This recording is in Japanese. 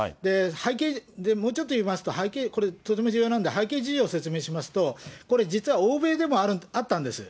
背景、もうちょっと言いますと、背景、これ、とても需要なので背景事情を説明しますと、これ、実は欧米でもあったんです。